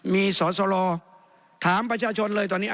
มีสอสรถามประชาชนเลยตอนนี้